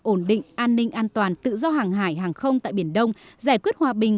ổn định an ninh an toàn tự do hàng hải hàng không tại biển đông giải quyết hòa bình